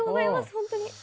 本当に。